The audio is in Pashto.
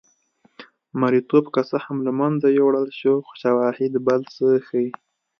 مریتوب که څه هم له منځه یووړل شو خو شواهد بل څه ښيي.